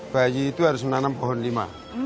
bayi itu harus menanam pohon lima